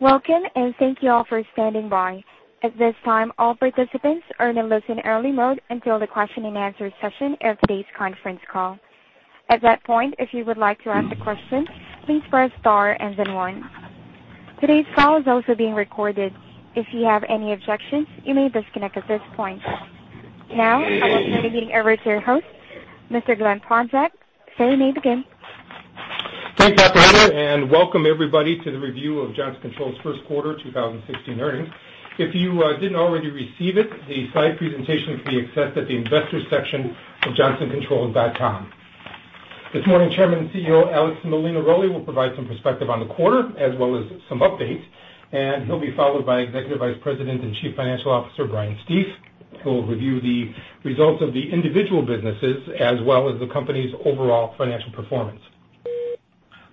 Welcome. Thank you all for standing by. At this time, all participants are in a listen-only mode until the question and answer session of today's conference call. At that point, if you would like to ask a question, please press star and then one. Today's call is also being recorded. If you have any objections, you may disconnect at this point. I will turn the meeting over to your host, Mr. Glen Ponczak. Sir, you may begin. Thanks, operator. Welcome everybody to the review of Johnson Controls' first quarter 2016 earnings. If you didn't already receive it, the slide presentation can be accessed at the investors section of johnsoncontrols.com. This morning, Chairman and CEO Alex Molinaroli will provide some perspective on the quarter as well as some updates. He'll be followed by Executive Vice President and Chief Financial Officer Brian Stief, who will review the results of the individual businesses as well as the company's overall financial performance.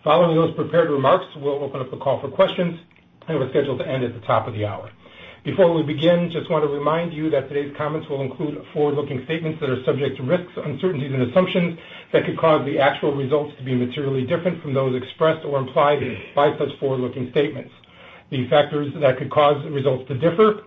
Following those prepared remarks, we'll open up the call for questions. We're scheduled to end at the top of the hour. Before we begin, just want to remind you that today's comments will include forward-looking statements that are subject to risks, uncertainties, and assumptions that could cause the actual results to be materially different from those expressed or implied by such forward-looking statements. The factors that could cause results to differ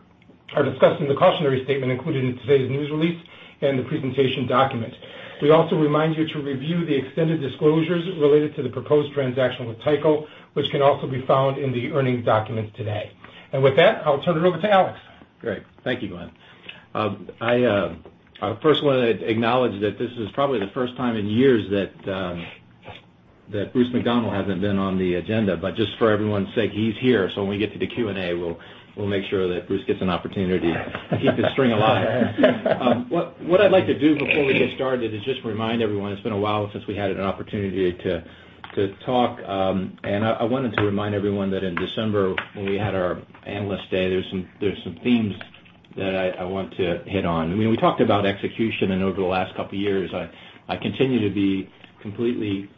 are discussed in the cautionary statement included in today's news release and the presentation document. We also remind you to review the extended disclosures related to the proposed transaction with Tyco, which can also be found in the earnings document today. With that, I'll turn it over to Alex. Great. Thank you, Glen. I first want to acknowledge that this is probably the first time in years that Bruce McDonald hasn't been on the agenda. Just for everyone's sake, he's here. When we get to the Q&A, we'll make sure that Bruce gets an opportunity to keep the string alive. What I'd like to do before we get started is just remind everyone it's been a while since we had an opportunity to talk. I wanted to remind everyone that in December, when we had our Analyst Day, there's some themes that I want to hit on. We talked about execution and over the last couple of years, I continue to be completely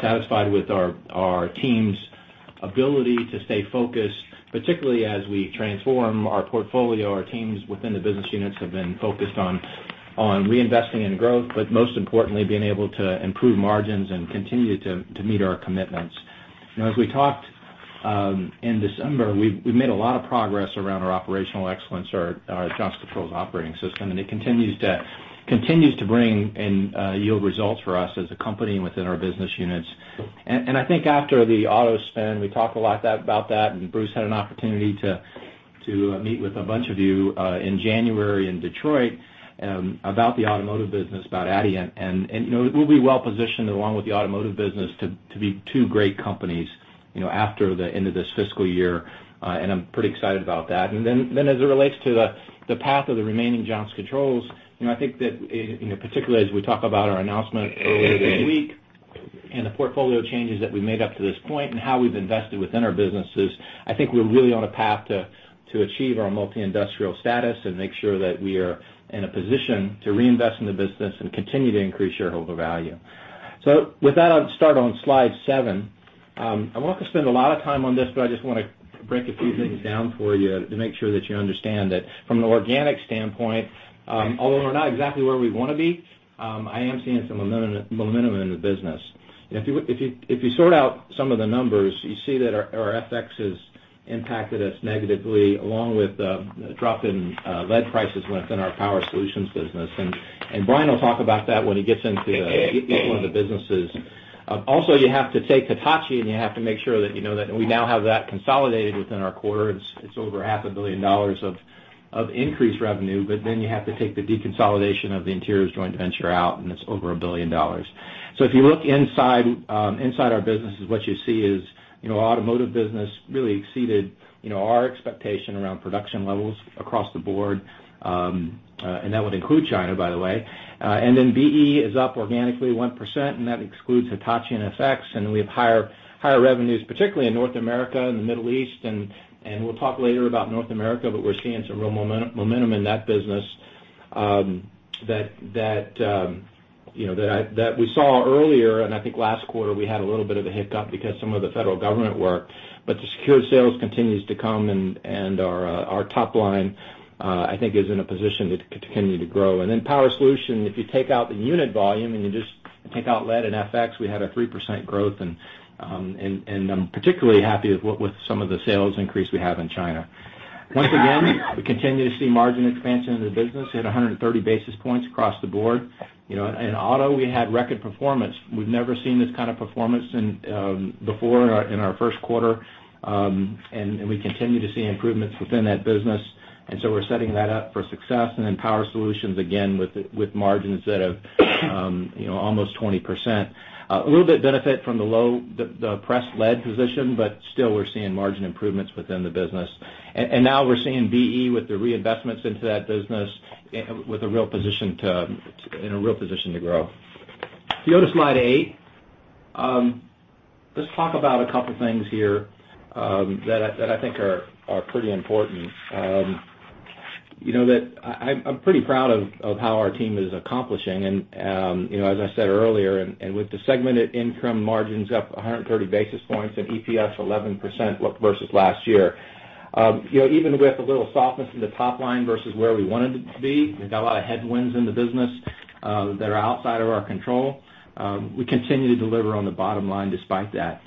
satisfied with our team's ability to stay focused, particularly as we transform our portfolio. Our teams within the business units have been focused on reinvesting in growth, most importantly, being able to improve margins and continue to meet our commitments. As we talked in December, we've made a lot of progress around our operational excellence, our Johnson Controls Operating System, and it continues to bring and yield results for us as a company within our business units. I think after the auto spin, we talked a lot about that, Bruce McDonald had an opportunity to meet with a bunch of you in January in Detroit about the automotive business, about Adient. We'll be well positioned along with the automotive business to be two great companies after the end of this fiscal year. I'm pretty excited about that. As it relates to the path of the remaining Johnson Controls, I think that particularly as we talk about our announcement earlier this week and the portfolio changes that we made up to this point and how we've invested within our businesses, I think we're really on a path to achieve our multi-industrial status and make sure that we are in a position to reinvest in the business and continue to increase shareholder value. With that, I'll start on slide seven. I won't spend a lot of time on this, but I just want to break a few things down for you to make sure that you understand that from an organic standpoint, although we're not exactly where we want to be, I am seeing some momentum in the business. If you sort out some of the numbers, you see that our FX has impacted us negatively, along with a drop in lead prices within our Power Solutions business. Brian Stief will talk about that when he gets into each one of the businesses. Also, you have to take Hitachi, you have to make sure that you know that we now have that consolidated within our quarter. It's over half a billion dollars of increased revenue, you have to take the deconsolidation of the interiors joint venture out, it's over $1 billion. If you look inside our businesses, what you see is automotive business really exceeded our expectation around production levels across the board. That would include China, by the way. BE is up organically 1%, and that excludes Hitachi and FX. We have higher revenues, particularly in North America and the Middle East. We'll talk later about North America, we're seeing some real momentum in that business that we saw earlier. I think last quarter, we had a little bit of a hiccup because some of the federal government work. The secured sales continues to come, our top line, I think, is in a position to continue to grow. Power Solutions, if you take out the unit volume and you just take out lead and FX, we had a 3% growth. I'm particularly happy with some of the sales increase we have in China. Once again, we continue to see margin expansion in the business at 130 basis points across the board. In auto, we had record performance. We've never seen this kind of performance before in our first quarter, we continue to see improvements within that business. We're setting that up for success. Power Solutions, again, with margins that have almost 20%. A little bit benefit from the low, the pressed lead position, but still we're seeing margin improvements within the business. Now we're seeing BE with the reinvestments into that business in a real position to grow. If you go to slide eight, let's talk about a couple things here that I think are pretty important. I'm pretty proud of how our team is accomplishing. As I said earlier, with the segmented income margins up 130 basis points and EPS 11% versus last year. Even with a little softness in the top line versus where we wanted it to be, we've got a lot of headwinds in the business that are outside of our control. We continue to deliver on the bottom line despite that.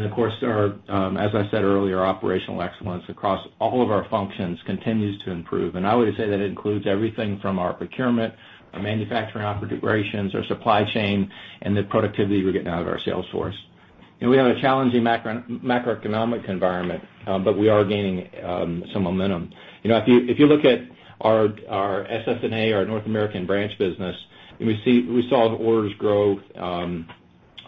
Of course, as I said earlier, operational excellence across all of our functions continues to improve. I would say that includes everything from our procurement, our manufacturing operations, our supply chain, and the productivity we're getting out of our sales force. We have a challenging macroeconomic environment, but we are gaining some momentum. If you look at our SSNA, our North American branch business, we saw the orders grow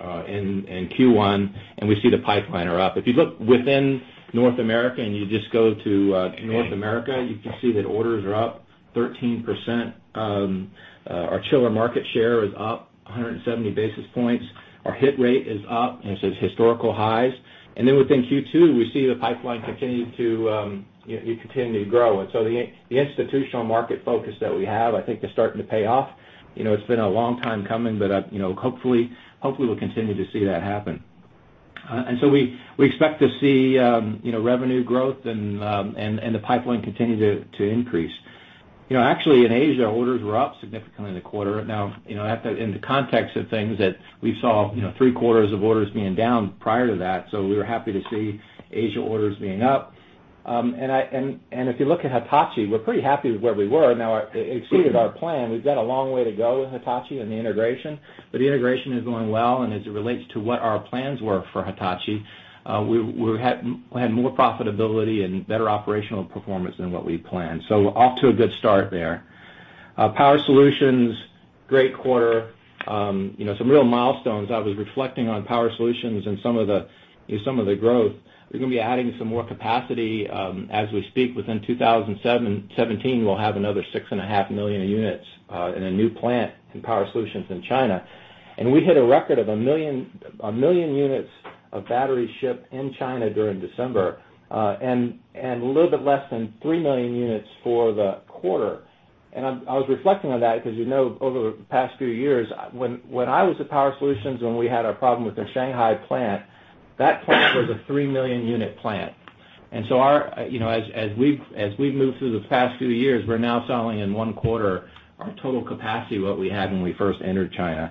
in Q1, we see the pipeline are up. If you look within North America and you just go to North America, you can see that orders are up 13%. Our chiller market share is up 170 basis points. Our hit rate is up, it's at historical highs. Within Q2, we see the pipeline continue to grow. The institutional market focus that we have, I think, is starting to pay off. It's been a long time coming, but hopefully, we'll continue to see that happen. We expect to see revenue growth and the pipeline continue to increase. Actually, in Asia, orders were up significantly in the quarter. Now, in the context of things that we saw three quarters of orders being down prior to that, we were happy to see Asia orders being up. If you look at Hitachi, we're pretty happy with where we were. Now, it exceeded our plan. We've got a long way to go with Hitachi and the integration, but the integration is going well. As it relates to what our plans were for Hitachi, we had more profitability and better operational performance than what we planned. Off to a good start there. Power Solutions, great quarter. Some real milestones. I was reflecting on Power Solutions and some of the growth. We're going to be adding some more capacity as we speak within 2017. We'll have another 6.5 million units in a new plant in Power Solutions in China. And we hit a record of 1 million units of batteries shipped in China during December, and a little bit less than 3 million units for the quarter. I was reflecting on that because over the past few years, when I was at Power Solutions, when we had our problem with the Shanghai plant, that plant was a 3 million-unit plant. As we've moved through the past few years, we're now selling in one quarter our total capacity, what we had when we first entered China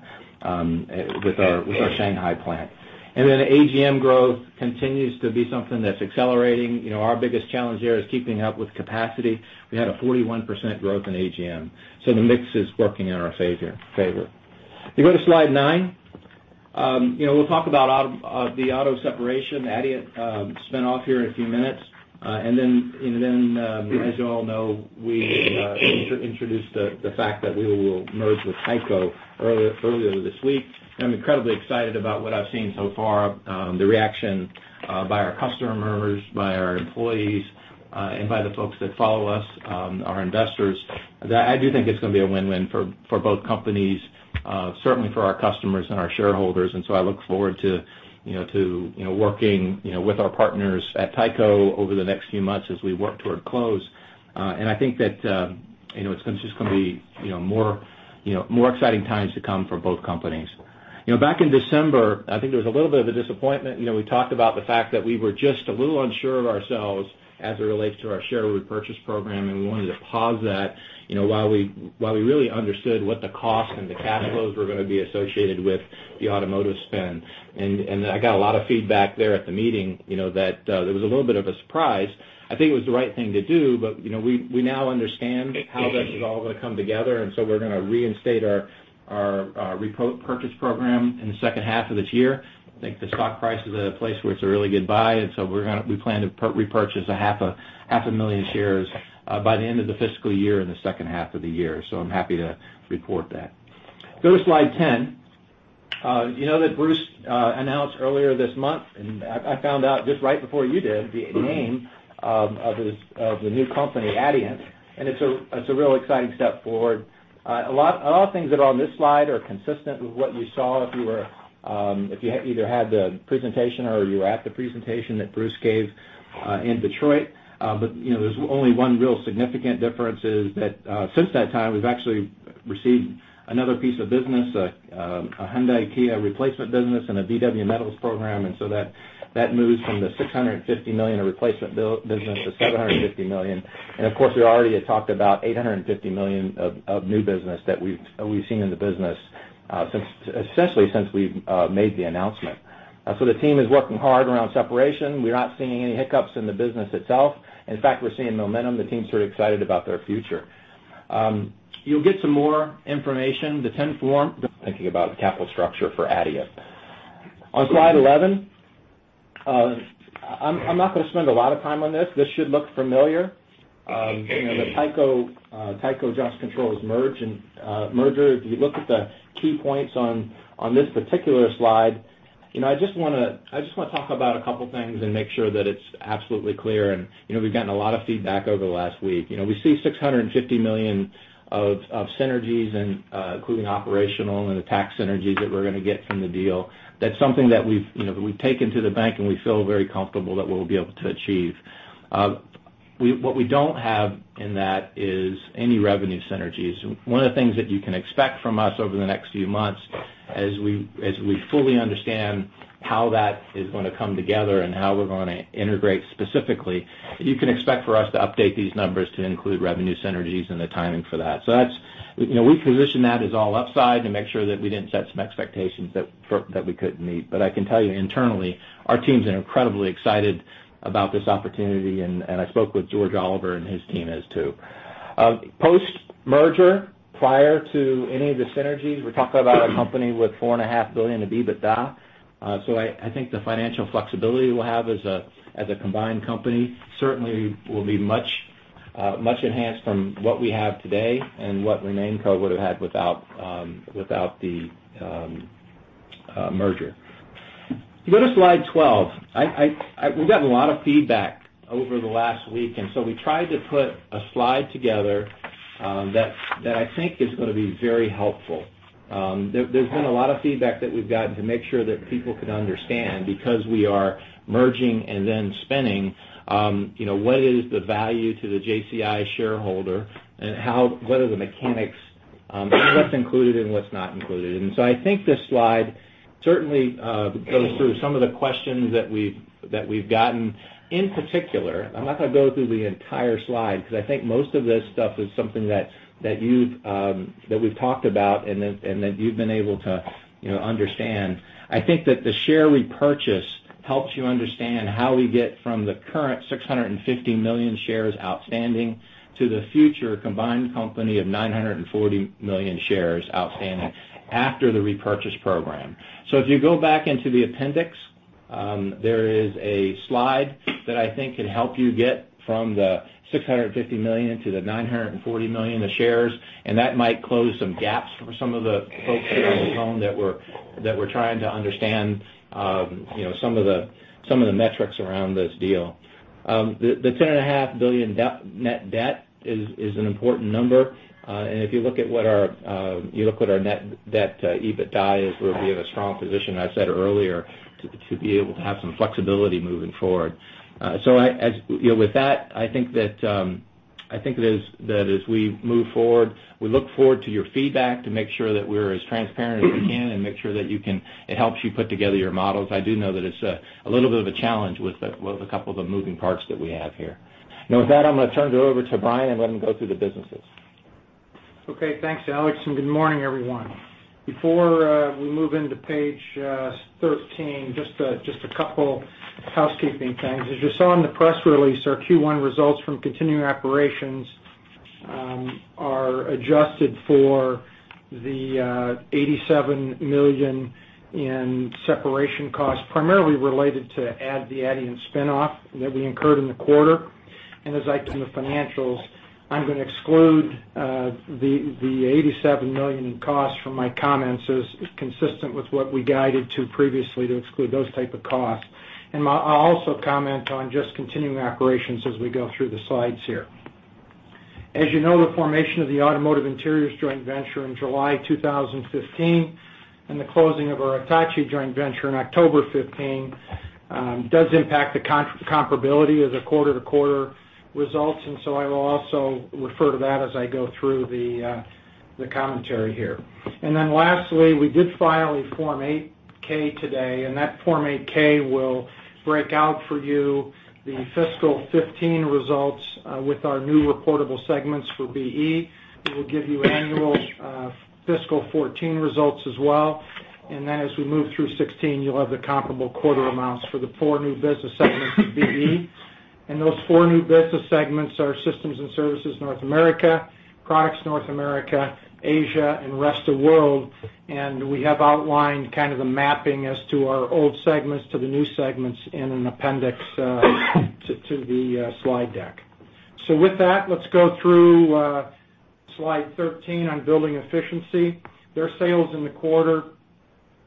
with our Shanghai plant. AGM growth continues to be something that's accelerating. Our biggest challenge here is keeping up with capacity. We had a 41% growth in AGM, so the mix is working in our favor. If you go to slide nine, we'll talk about the auto separation. Adient spin-off here in a few minutes. As you all know, we introduced the fact that we will merge with Tyco earlier this week. I'm incredibly excited about what I've seen so far, the reaction by our customers, by our employees, and by the folks that follow us, our investors. I do think it's going to be a win-win for both companies, certainly for our customers and our shareholders. I look forward to working with our partners at Tyco over the next few months as we work toward close. I think that it's just going to be more exciting times to come for both companies. Back in December, I think there was a little bit of a disappointment. We talked about the fact that we were just a little unsure of ourselves as it relates to our share repurchase program, and we wanted to pause that while we really understood what the cost and the cash flows were going to be associated with the automotive spin. I got a lot of feedback there at the meeting, that there was a little bit of a surprise. I think it was the right thing to do. We now understand how this is all going to come together. We're going to reinstate our repurchase program in the second half of this year. I think the stock price is at a place where it's a really good buy. We plan to repurchase a half a billion shares by the end of the fiscal year in the second half of the year. I'm happy to report that. Go to slide 10. You know that Bruce announced earlier this month, and I found out just right before you did, the name of the new company, Adient, and it's a real exciting step forward. A lot of things that are on this slide are consistent with what you saw if you either had the presentation or you were at the presentation that Bruce gave in Detroit. There's only one real significant difference is that since that time, we've actually received another piece of business, a Hyundai Kia replacement business and a VW metals program. That moves from the $650 million replacement business to $750 million. Of course, we already had talked about $850 million of new business that we've seen in the business, especially since we've made the announcement. The team is working hard around separation. We're not seeing any hiccups in the business itself. In fact, we're seeing momentum. The team's sort of excited about their future. You'll get some more information, the Form 10, thinking about capital structure for Adient. On slide 11, I'm not going to spend a lot of time on this. This should look familiar. The Tyco Johnson Controls merger. If you look at the key points on this particular slide, I just want to talk about a couple things and make sure that it's absolutely clear, and we've gotten a lot of feedback over the last week. We see $650 million of synergies, including operational and the tax synergies that we're going to get from the deal. That's something that we've taken to the bank, and we feel very comfortable that we'll be able to achieve. What we don't have in that is any revenue synergies. One of the things that you can expect from us over the next few months, as we fully understand how that is going to come together and how we're going to integrate specifically, you can expect for us to update these numbers to include revenue synergies and the timing for that. We position that as all upside to make sure that we didn't set some expectations that we couldn't meet. I can tell you internally, our teams are incredibly excited about this opportunity, and I spoke with George Oliver and his team is too. Post-merger, prior to any of the synergies, we're talking about a company with $4.5 billion of EBITDA. I think the financial flexibility we'll have as a combined company certainly will be much enhanced from what we have today and what RemainCo would have had without the merger. If you go to slide 12, we've gotten a lot of feedback over the last week, we tried to put a slide together that I think is going to be very helpful. There's been a lot of feedback that we've gotten to make sure that people can understand because we are merging and then spinning, what is the value to the JCI shareholder and what are the mechanics, and what's included and what's not included. I think this slide certainly goes through some of the questions that we've gotten. In particular, I'm not going to go through the entire slide because I think most of this stuff is something that we've talked about and that you've been able to understand. I think that the share repurchase helps you understand how we get from the current 650 million shares outstanding to the future combined company of 940 million shares outstanding after the repurchase program. If you go back into the appendix, there is a slide that I think can help you get from the 650 million to the 940 million, the shares, and that might close some gaps for some of the folks that are on the phone that were trying to understand some of the metrics around this deal. The $10.5 billion net debt is an important number. If you look at what our net debt to EBITDA is, we'll be in a strong position, as I said earlier, to be able to have some flexibility moving forward. With that, I think that as we move forward, we look forward to your feedback to make sure that we're as transparent as we can and make sure that it helps you put together your models. I do know that it's a little bit of a challenge with a couple of the moving parts that we have here. With that, I'm going to turn it over to Brian and let him go through the businesses. Okay. Thanks, Alex, and good morning, everyone. Before we move into page 13, just a couple housekeeping things. As you saw in the press release, our Q1 results from continuing operations are adjusted for the $87 million in separation costs, primarily related to the Adient spin-off that we incurred in the quarter. As I do the financials, I'm going to exclude the $87 million in costs from my comments, as is consistent with what we guided to previously to exclude those type of costs. I'll also comment on just continuing operations as we go through the slides here. As you know, the formation of the Automotive Interiors joint venture in July 2015 and the closing of our Hitachi joint venture in October 2015 does impact the comparability of the quarter-to-quarter results. I will also refer to that as I go through the commentary here. Lastly, we did file a Form 8-K today. That Form 8-K will break out for you the fiscal 2015 results with our new reportable segments for BE. It will give you annual fiscal 2014 results as well. As we move through 2016, you'll have the comparable quarter amounts for the four new business segments of BE. Those four new business segments are Systems and Services North America, Products North America, Asia, and Rest of World. We have outlined kind of the mapping as to our old segments to the new segments in an appendix to the slide deck. With that, let's go through slide 13 on Building Efficiency. Their sales in the quarter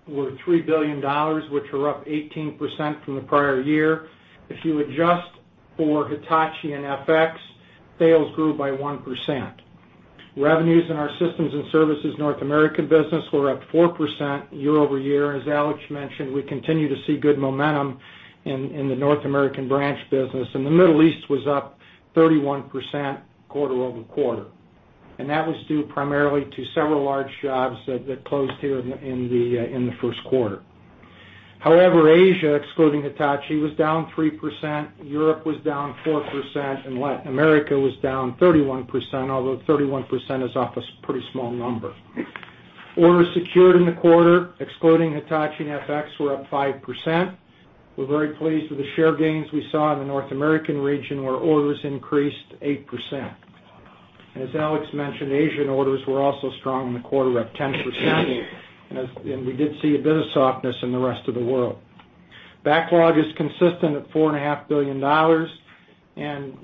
were $3 billion, which were up 18% from the prior year. If you adjust for Hitachi and FX, sales grew by 1%. Revenues in our Systems and Services North America business were up 4% year-over-year. As Alex mentioned, we continue to see good momentum in the North American branch business. The Middle East was up 31% quarter-over-quarter. That was due primarily to several large jobs that closed here in the first quarter. However, Asia, excluding Hitachi, was down 3%, Europe was down 4%, and Latin America was down 31%, although 31% is off a pretty small number. Orders secured in the quarter, excluding Hitachi and FX, were up 5%. We're very pleased with the share gains we saw in the North American region, where orders increased 8%. As Alex mentioned, Asian orders were also strong in the quarter, up 10%. We did see a bit of softness in the rest of the world. Backlog is consistent at $4.5 billion.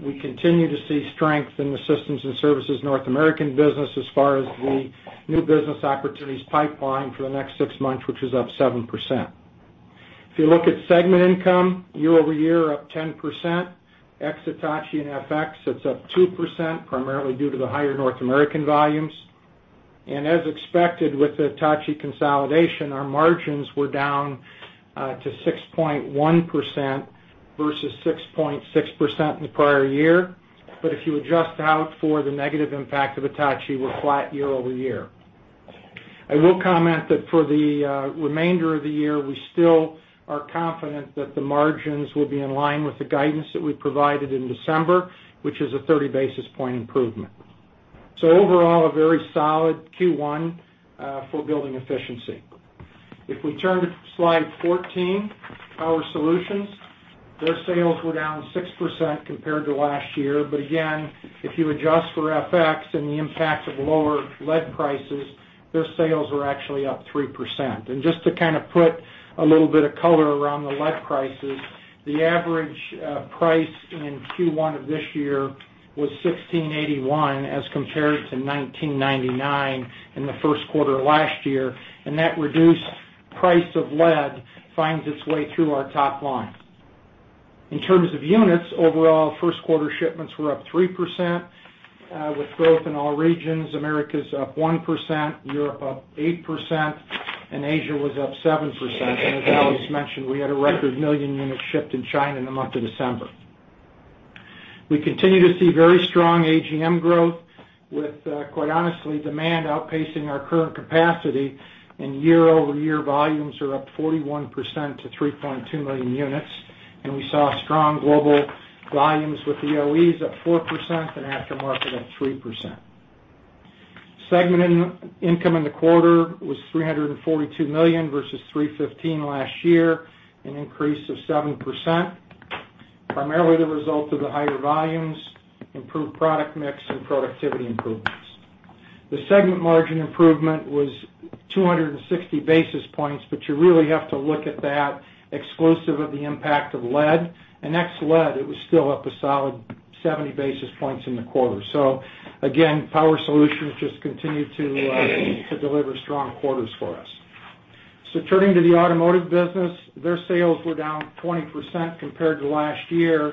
We continue to see strength in the Systems and Services North America business as far as the new business opportunities pipeline for the next 6 months, which is up 7%. If you look at segment income, year-over-year up 10%. Ex Hitachi and FX, it is up 2%, primarily due to the higher North American volumes. As expected with the Hitachi consolidation, our margins were down to 6.1% versus 6.6% in the prior year. If you adjust out for the negative impact of Hitachi, we are flat year-over-year. I will comment that for the remainder of the year, we still are confident that the margins will be in line with the guidance that we provided in December, which is a 30-basis-point improvement. Overall, a very solid Q1 for Building Efficiency. If we turn to slide 14, Power Solutions, their sales were down 6% compared to last year. Again, if you adjust for FX and the impact of lower lead prices, their sales were actually up 3%. Just to put a little bit of color around the lead prices, the average price in Q1 of this year was $1,681 as compared to $1,999 in the first quarter of last year, that reduced price of lead finds its way through our top line. In terms of units, overall, first quarter shipments were up 3% with growth in all regions. Americas up 1%, Europe up 8%, and Asia was up 7%. As Alex mentioned, we had a record 1 million units shipped in China in the month of December. We continue to see very strong AGM growth with, quite honestly, demand outpacing our current capacity, and year-over-year volumes are up 41% to 3.2 million units. We saw strong global volumes with the OEs up 4% and aftermarket up 3%. Segment income in the quarter was $342 million versus $315 million last year, an increase of 7%, primarily the result of the higher volumes, improved product mix, and productivity improvements. The segment margin improvement was 260 basis points, you really have to look at that exclusive of the impact of lead. Ex lead, it was still up a solid 70 basis points in the quarter. Again, Power Solutions just continue to deliver strong quarters for us. Turning to the Automotive business, their sales were down 20% compared to last year.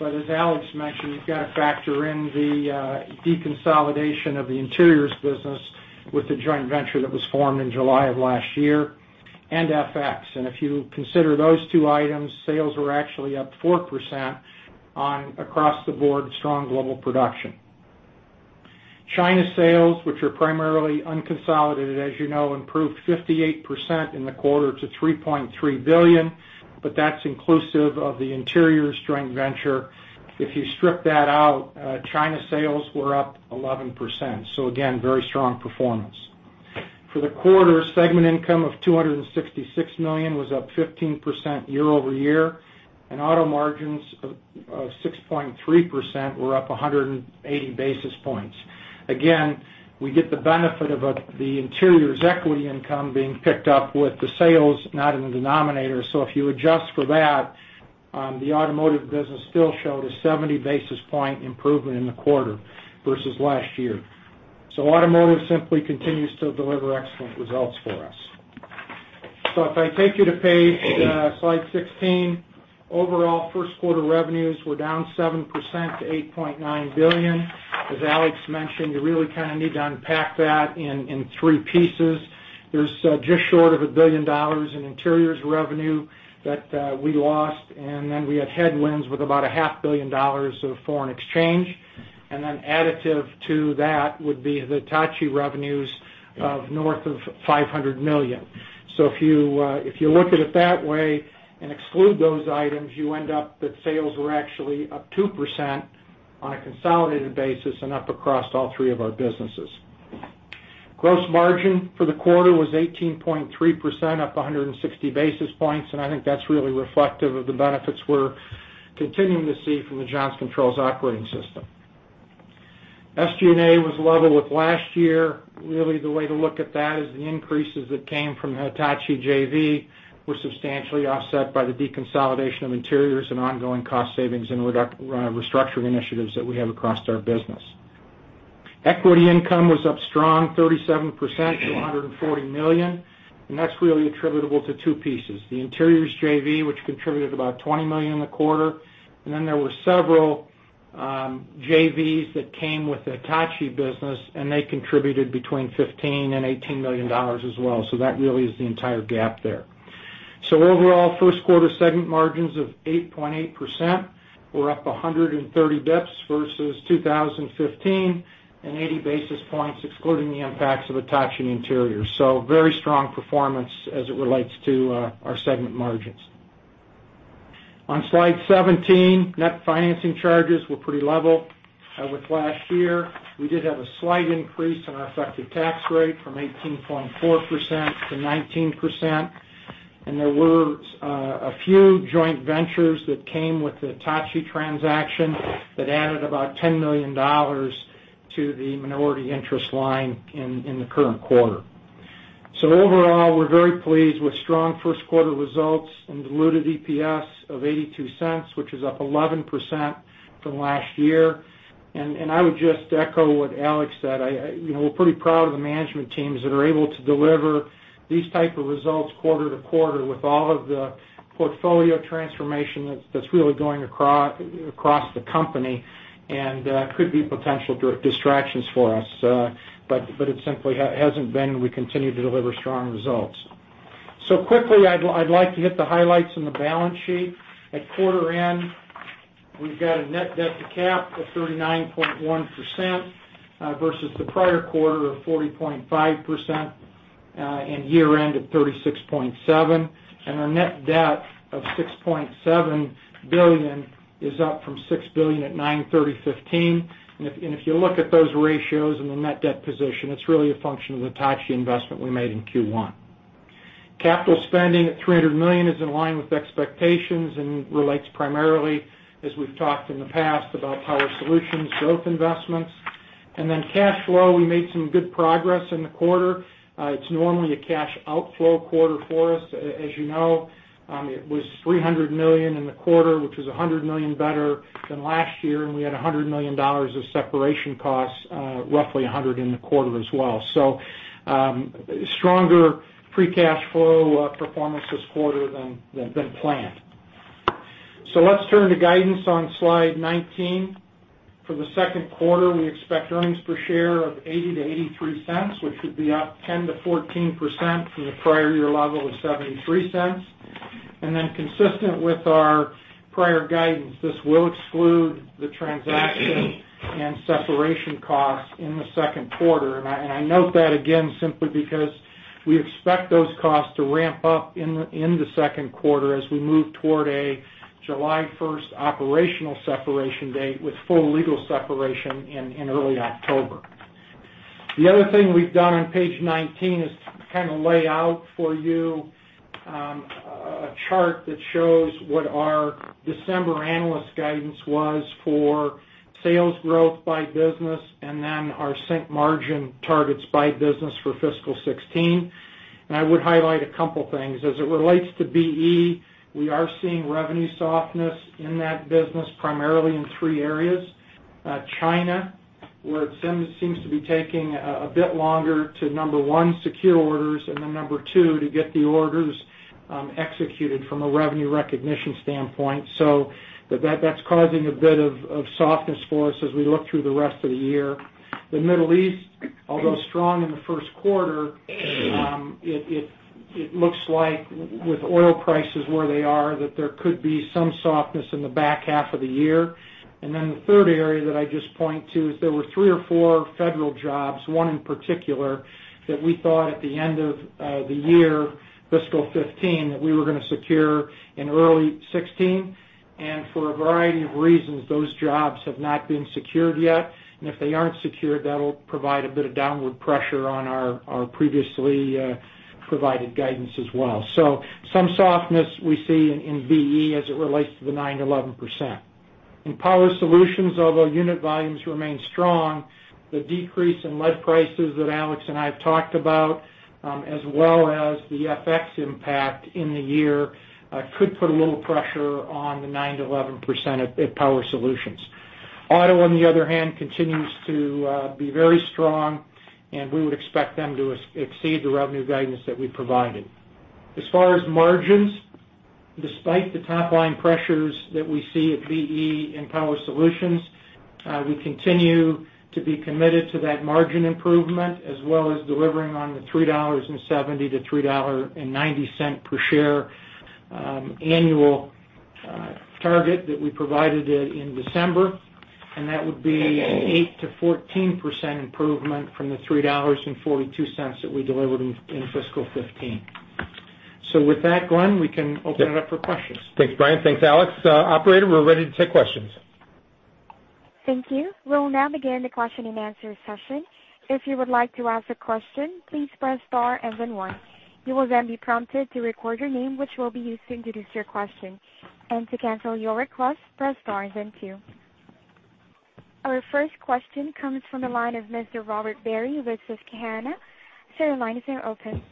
As Alex mentioned, you have got to factor in the deconsolidation of the Interiors business with the joint venture that was formed in July of last year, and FX. If you consider those two items, sales were actually up 4% on across-the-board strong global production. China sales, which are primarily unconsolidated, as you know, improved 58% in the quarter to $3.3 billion, that is inclusive of the Interiors joint venture. If you strip that out, China sales were up 11%. Again, very strong performance. For the quarter, segment income of $266 million was up 15% year-over-year, and auto margins of 6.3% were up 180 basis points. Again, we get the benefit of the Interiors equity income being picked up with the sales, not in the denominator. If you adjust for that, the Automotive business still showed a 70-basis-point improvement in the quarter versus last year. Automotive simply continues to deliver excellent results for us. If I take you to slide 16, overall first quarter revenues were down 7% to $8.9 billion. As Alex mentioned, you really need to unpack that in three pieces. There's just short of $1 billion in Interiors revenue that we lost, then we had headwinds with about a half billion dollars of foreign exchange. Additive to that would be the Hitachi revenues of north of $500 million. If you look at it that way and exclude those items, you end up that sales were actually up 2% on a consolidated basis and up across all three of our businesses. Gross margin for the quarter was 18.3%, up 160 basis points, and I think that's really reflective of the benefits we're continuing to see from the Johnson Controls Operating System. SG&A was level with last year. Really, the way to look at that is the increases that came from the Hitachi JV were substantially offset by the deconsolidation of Interiors and ongoing cost savings and restructuring initiatives that we have across our business. Equity income was up strong 37% to $140 million, and that's really attributable to two pieces, the Interiors JV, which contributed about $20 million in the quarter. There were several JVs that came with the Hitachi business, and they contributed between $15 million-$18 million as well. That really is the entire gap there. Overall, first quarter segment margins of 8.8% were up 130 basis points versus 2015 and 80 basis points excluding the impacts of Hitachi and Interiors. Very strong performance as it relates to our segment margins. On slide 17, net financing charges were pretty level with last year. We did have a slight increase in our effective tax rate from 18.4%-19%, and there were a few joint ventures that came with the Hitachi transaction that added about $10 million to the minority interest line in the current quarter. Overall, we're very pleased with strong first quarter results and diluted EPS of $0.82, which is up 11% from last year. I would just echo what Alex said. We're pretty proud of the management teams that are able to deliver these type of results quarter-to-quarter with all of the portfolio transformation that's really going across the company and could be potential distractions for us. It simply hasn't been, and we continue to deliver strong results. Quickly, I'd like to hit the highlights on the balance sheet. At quarter end, we've got a net debt to cap of 39.1% versus the prior quarter of 40.5%, and year-end at 36.7%. Our net debt of $6.7 billion is up from $6 billion at 9/30/2015. If you look at those ratios and the net debt position, it's really a function of the Hitachi investment we made in Q1. Capital spending at $300 million is in line with expectations and relates primarily, as we've talked in the past, about Power Solutions growth investments. Cash flow, we made some good progress in the quarter. It's normally a cash outflow quarter for us. As you know, it was $300 million in the quarter, which was $100 million better than last year, and we had $100 million of separation costs, roughly $100 million in the quarter as well. Stronger free cash flow performance this quarter than planned. Let's turn to guidance on slide 19. For the second quarter, we expect earnings per share of $0.80 to $0.83, which would be up 10%-14% from the prior year level of $0.73. Consistent with our prior guidance, this will exclude the transaction and separation costs in the second quarter. I note that again simply because we expect those costs to ramp up in the second quarter as we move toward a July 1st operational separation date with full legal separation in early October. The other thing we've done on page 19 is lay out for you a chart that shows what our December analyst guidance was for sales growth by business, then our segment margin targets by business for fiscal 2016. I would highlight a couple things. As it relates to BE, we are seeing revenue softness in that business, primarily in three areas. China, where it seems to be taking a bit longer to, number 1, secure orders, then number 2, to get the orders executed from a revenue recognition standpoint. That's causing a bit of softness for us as we look through the rest of the year. The Middle East, although strong in the first quarter, it looks like with oil prices where they are, that there could be some softness in the back half of the year. The third area that I just point to is there were three or four federal jobs, one in particular, that we thought at the end of the year, fiscal 2015, that we were going to secure in early 2016. For a variety of reasons, those jobs have not been secured yet. If they aren't secured, that'll provide a bit of downward pressure on our previously provided guidance as well. Some softness we see in BE as it relates to the 9%-11%. In Power Solutions, although unit volumes remain strong, the decrease in lead prices that Alex and I have talked about as well as the FX impact in the year could put a little pressure on the 9%-11% at Power Solutions. Auto, on the other hand, continues to be very strong, and we would expect them to exceed the revenue guidance that we provided. As far as margins, despite the top-line pressures that we see at BE and Power Solutions, we continue to be committed to that margin improvement, as well as delivering on the $3.70-$3.90 per share annual target that we provided in December. That would be an 8%-14% improvement from the $3.42 that we delivered in fiscal 2015. With that, Glen, we can open it up for questions. Thanks, Brian. Thanks, Alex. Operator, we're ready to take questions. Thank you. We'll now begin the question and answer session. If you would like to ask a question, please press star and then one. You will then be prompted to record your name, which will be used to introduce your question. To cancel your request, press star and then two. Our first question comes from the line of Robert Barry with Susquehanna. Sir, line is now open.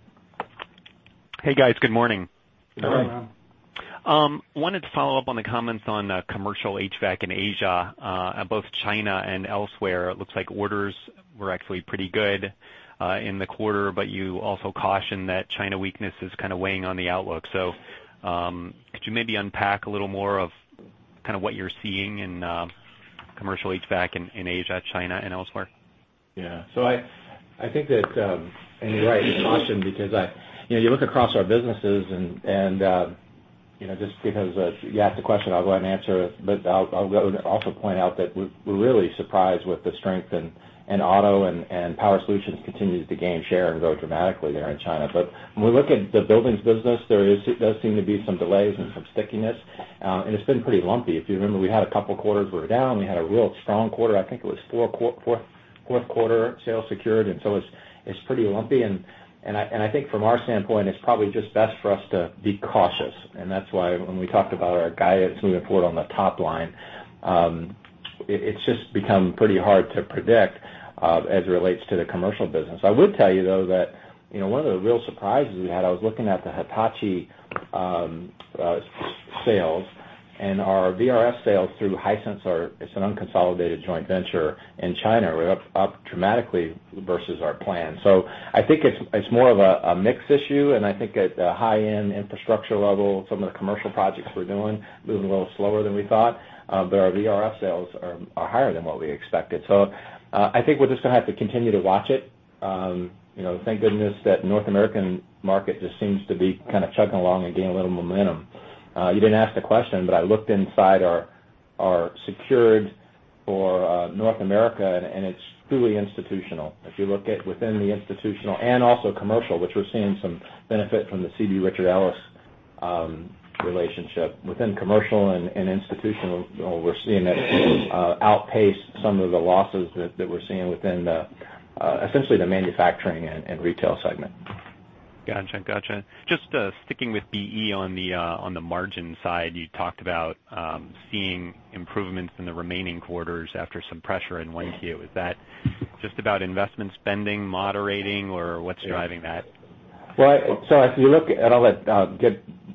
Hey, guys. Good morning. Good morning. Good morning. Wanted to follow up on the comments on commercial HVAC in Asia, both China and elsewhere. It looks like orders were actually pretty good in the quarter, you also cautioned that China weakness is kind of weighing on the outlook. Could you maybe unpack a little more of what you're seeing in commercial HVAC in Asia, China, and elsewhere? Yeah. I think that, and you're right, caution because you look across our businesses and just because you asked the question, I'll go ahead and answer it. I would also point out that we're really surprised with the strength in Auto, and Power Solutions continues to gain share and grow dramatically there in China. When we look at the buildings business, there does seem to be some delays and some stickiness. It's been pretty lumpy. If you remember, we had a couple quarters where we were down. We had a real strong quarter, I think it was fourth quarter sales secured. It's pretty lumpy, and I think from our standpoint, it's probably just best for us to be cautious. That's why when we talked about our guidance moving forward on the top line, it's just become pretty hard to predict as it relates to the commercial business. I would tell you, though, that one of the real surprises we had, I was looking at the Hitachi sales and our VRF sales through Hisense, it's an unconsolidated joint venture in China. We're up dramatically versus our plan. I think it's more of a mix issue, and I think at the high-end infrastructure level, some of the commercial projects we're doing, moving a little slower than we thought. Our VRF sales are higher than what we expected. I think we're just going to have to continue to watch it. Thank goodness that North American market just seems to be kind of chugging along and gaining a little momentum. You didn't ask the question, but I looked inside our Systems and Services North America, and it's truly institutional. If you look at within the institutional and also commercial, which we're seeing some benefit from the CB Richard Ellis relationship within commercial and institutional, we're seeing that outpace some of the losses that we're seeing within essentially the manufacturing and retail segment. Got you. Just sticking with BE on the margin side, you talked about seeing improvements in the remaining quarters after some pressure in 1Q. Is that just about investment spending, moderating, or what's driving that? Well, if you look at all that,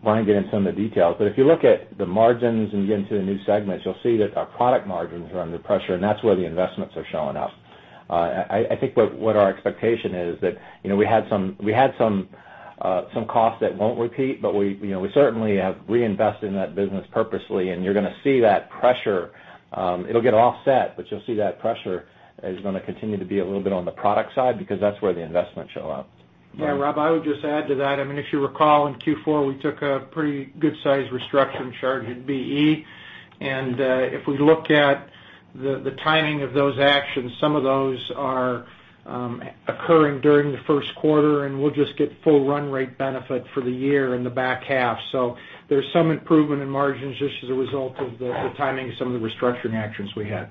Brian will get into some of the details, but if you look at the margins and you get into the new segments, you'll see that our product margins are under pressure, and that's where the investments are showing up. I think what our expectation is that we had some costs that won't repeat, but we certainly have reinvested in that business purposely, and you're going to see that pressure. It'll get offset, but you'll see that pressure is going to continue to be a little bit on the product side because that's where the investments show up. Yeah, Rob, I would just add to that. I mean, if you recall, in Q4, we took a pretty good size restructuring charge at BE. If we look at the timing of those actions, some of those are occurring during the first quarter, and we'll just get full run rate benefit for the year in the back half. There's some improvement in margins just as a result of the timing of some of the restructuring actions we had.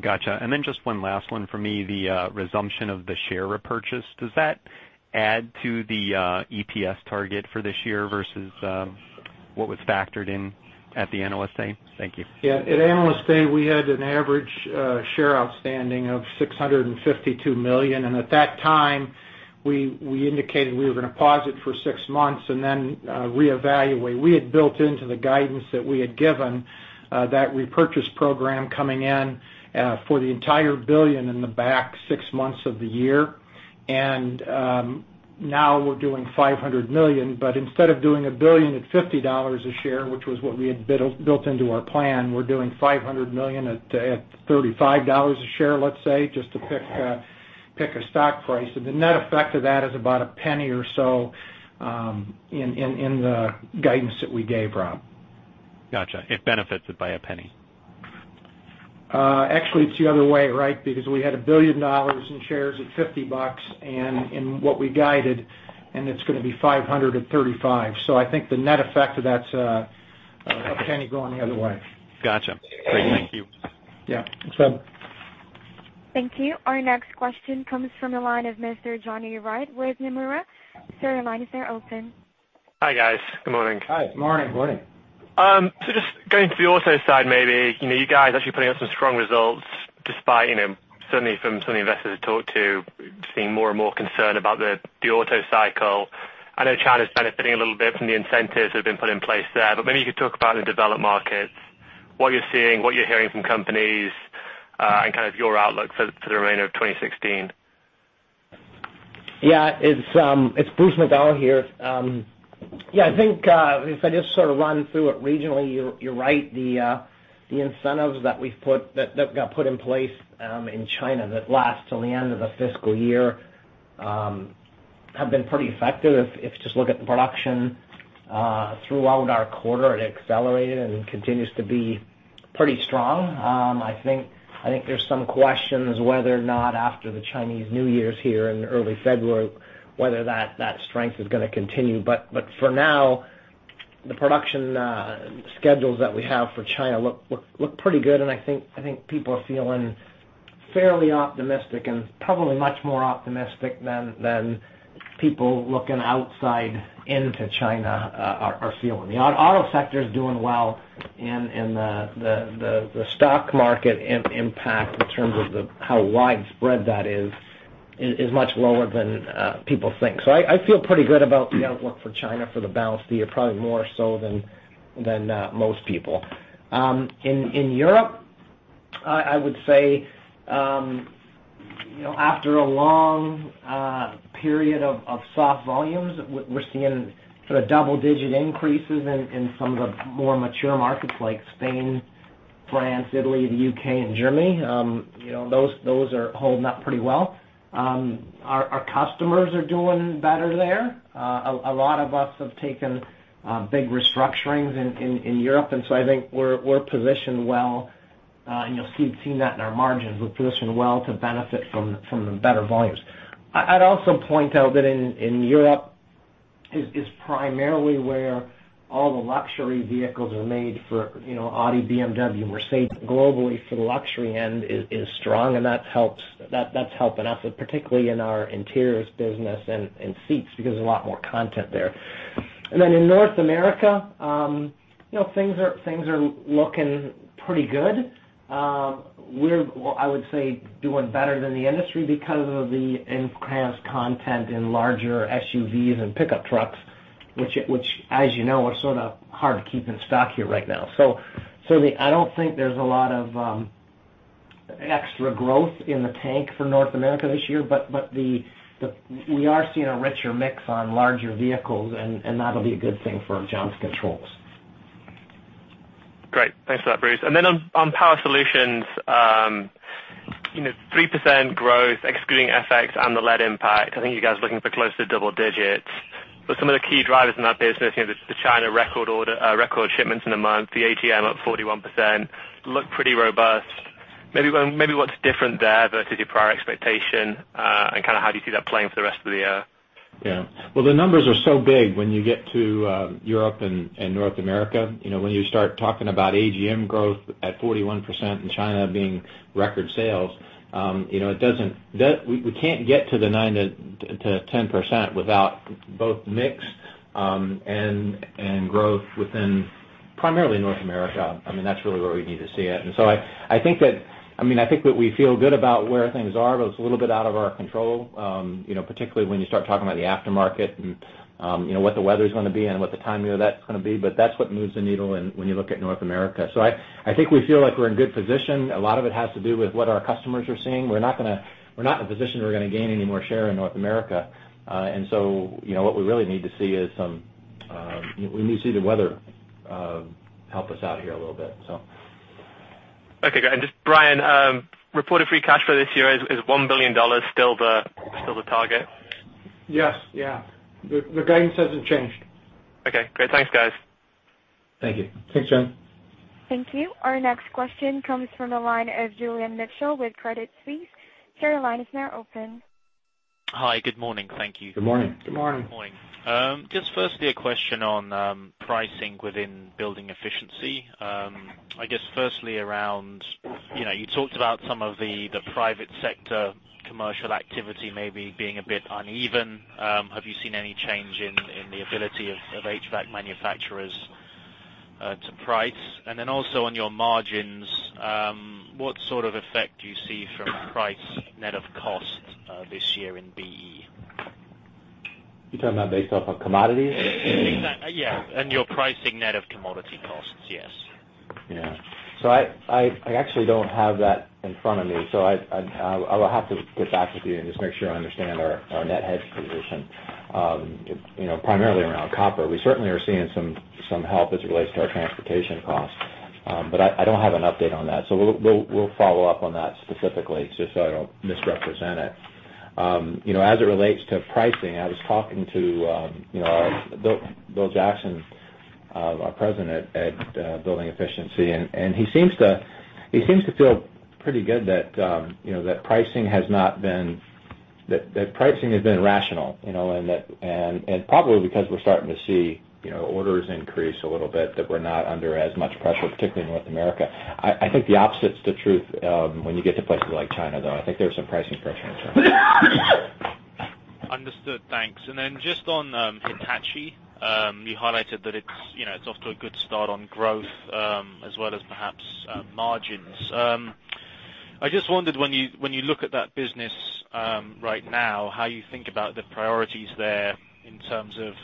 Got you. Just one last one from me, the resumption of the share repurchase. Does that add to the EPS target for this year versus what was factored in at the Analyst Day? Thank you. Yeah. At Analyst Day, we had an average share outstanding of $652 million, and at that time, we indicated we were going to pause it for six months and then reevaluate. We had built into the guidance that we had given that repurchase program coming in for the entire $1 billion in the back six months of the year. Now we're doing $500 million, instead of doing $1 billion at $50 a share, which was what we had built into our plan, we're doing $500 million at $35 a share, let's say, just to pick a stock price. The net effect of that is about $0.01 or so in the guidance that we gave, Rob. Got you. It benefits it by $0.01. Actually, it's the other way, right? Because we had $1 billion in shares at $50 and in what we guided, and it's going to be $500 at $35. I think the net effect of that's $0.01 going the other way. Got you. Great. Thank you. Yeah. Thanks, Rob. Thank you. Our next question comes from the line of Mr. Jonny Wright with Nomura. Sir, your line is now open. Hi, guys. Good morning. Hi. Good morning. Morning. Just going to the auto side, maybe. You guys actually putting up some strong results despite, certainly from some of the investors I talked to, just being more and more concerned about the auto cycle. I know China's benefiting a little bit from the incentives that have been put in place there, but maybe you could talk about the developed markets, what you're seeing, what you're hearing from companies, and kind of your outlook for the remainder of 2016. Yeah. It's Bruce McDonald here. I think if I just sort of run through it regionally, you're right. The incentives that got put in place in China that last till the end of the fiscal year have been pretty effective. If you just look at the production throughout our quarter, it accelerated and continues to be pretty strong. I think there's some questions whether or not after the Chinese New Year here in early February, whether that strength is going to continue. For now, the production schedules that we have for China look pretty good, and I think people are feeling fairly optimistic and probably much more optimistic than people looking outside into China are feeling. The auto sector is doing well, and the stock market impact in terms of how widespread that is much lower than people think. I feel pretty good about the outlook for China for the balance of the year, probably more so than most people. In Europe, I would say after a long period of soft volumes, we're seeing sort of double-digit increases in some of the more mature markets like Spain, France, Italy, the U.K. and Germany. Those are holding up pretty well. Our customers are doing better there. A lot of us have taken big restructurings in Europe, I think we're positioned well, and you'll see that in our margins. We're positioned well to benefit from the better volumes. I'd also point out that in Europe is primarily where all the luxury vehicles are made for Audi, BMW, Mercedes globally for the luxury end is strong, and that's helping us, and particularly in our interiors business and seats, because there's a lot more content there. In North America, things are looking pretty good. We are, I would say, doing better than the industry because of the increased content in larger SUVs and pickup trucks, which, as you know, are sort of hard to keep in stock here right now. I don't think there's a lot of extra growth in the tank for North America this year, but we are seeing a richer mix on larger vehicles, and that will be a good thing for Johnson Controls. Great. Thanks for that, Bruce. On Power Solutions 3% growth excluding FX and the lead impact. I think you guys are looking for close to double digits. Some of the key drivers in that business, the China record shipments in the month, the AGM up 41%, look pretty robust. Maybe what is different there versus your prior expectation, and how do you see that playing for the rest of the year? Well, the numbers are so big when you get to Europe and North America. When you start talking about AGM growth at 41% and China being record sales, we cannot get to the 9%-10% without both mix and growth within primarily North America. That is really where we need to see it. I think that we feel good about where things are, but it is a little bit out of our control, particularly when you start talking about the aftermarket and what the weather is going to be and what the timing of that is going to be. That is what moves the needle in when you look at North America. I think we feel like we are in good position. A lot of it has to do with what our customers are seeing. We are not in a position we are going to gain any more share in North America. What we really need to see is we need to see the weather help us out here a little bit. Okay, great. Just, Brian, reported free cash for this year, is $1 billion still the target? Yes. Yeah. The guidance hasn't changed. Okay, great. Thanks, guys. Thank you. Thanks, John. Thank you. Our next question comes from the line of Julian Mitchell with Credit Suisse. Your line is now open. Hi. Good morning. Thank you. Good morning. Good morning. Good morning. Just firstly, a question on pricing within Building Efficiency. You talked about some of the private sector commercial activity maybe being a bit uneven. Have you seen any change in the ability of HVAC manufacturers to price? Then also on your margins, what sort of effect do you see from price net of cost this year in BE? You talking about based off of commodities? Exactly, yeah. Your pricing net of commodity costs, yes. Yeah. I actually don't have that in front of me. I will have to get back with you and just make sure I understand our net hedge position. Primarily around copper. We certainly are seeing some help as it relates to our transportation costs. I don't have an update on that, so we'll follow up on that specifically just so I don't misrepresent it. As it relates to pricing, I was talking to Bill Jackson, our president at Building Efficiency, and he seems to feel pretty good that pricing has been rational, and probably because we're starting to see orders increase a little bit, that we're not under as much pressure, particularly in North America. I think the opposite is the truth when you get to places like China, though, I think there's some pricing pressure in China. Understood. Thanks. Just on Hitachi. You highlighted that it's off to a good start on growth, as well as perhaps margins. I just wondered when you look at that business right now, how you think about the priorities there in terms of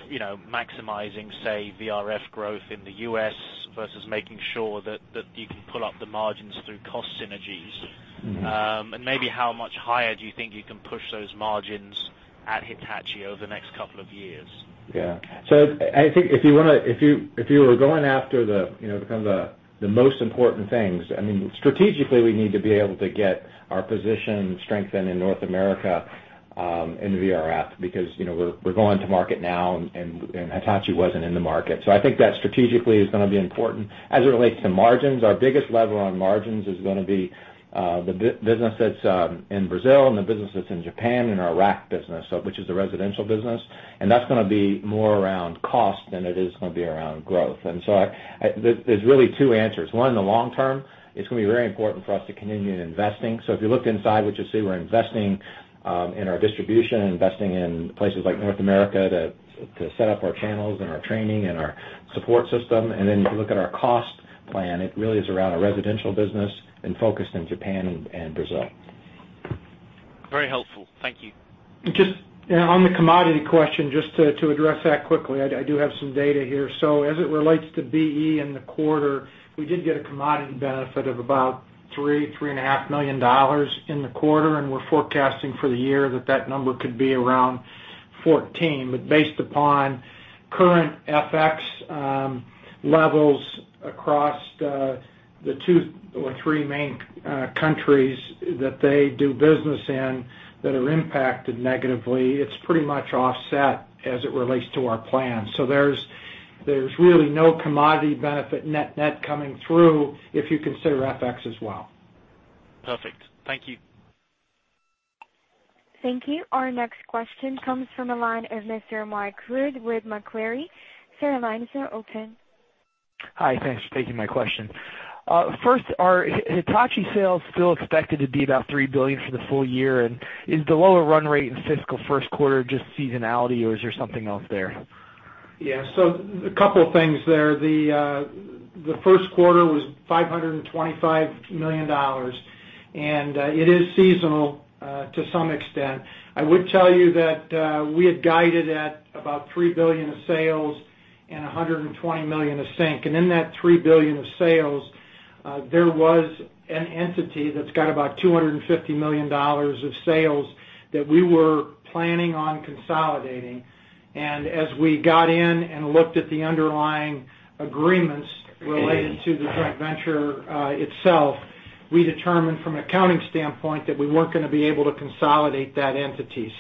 maximizing, say, VRF growth in the U.S. versus making sure that you can pull up the margins through cost synergies. Maybe how much higher do you think you can push those margins at Hitachi over the next couple of years? Yeah. I think if you were going after the most important things, strategically, we need to be able to get our position strengthened in North America in VRF, because we're going to market now and Hitachi wasn't in the market. I think that strategically is going to be important. As it relates to margins, our biggest lever on margins is going to be the business that's in Brazil and the business that's in Japan and our RAC business, which is the residential business, and that's going to be more around cost than it is going to be around growth. There's really two answers. One, in the long term, it's going to be very important for us to continue investing. If you looked inside, what you'll see, we're investing in our distribution and investing in places like North America to set up our channels and our training and our support system. If you look at our cost plan, it really is around our residential business and focused in Japan and Brazil. Very helpful. Thank you. Just on the commodity question, just to address that quickly. I do have some data here. As it relates to BE in the quarter, we did get a commodity benefit of about $3 million to $3.5 million in the quarter, and we're forecasting for the year that that number could be around $14 million. Based upon current FX levels across the two or three main countries that they do business in that are impacted negatively, it's pretty much offset as it relates to our plan. There's really no commodity benefit net coming through if you consider FX as well. Perfect. Thank you. Thank you. Our next question comes from the line of Mr. Mark Luntz with Macquarie. Sir, line is now open. Hi. Thanks for taking my question. First, are Hitachi sales still expected to be about $3 billion for the full year? Is the lower run rate in fiscal first quarter just seasonality or is there something else there? Yeah, a couple of things there. The first quarter was $525 million, it is seasonal to some extent. I would tell you that we had guided at about $3 billion of sales and $120 million of sync. In that $3 billion of sales, there was an entity that's got about $250 million of sales that we were planning on consolidating. As we got in and looked at the underlying agreements related to the joint venture itself, we determined from an accounting standpoint that we weren't going to be able to consolidate that entity.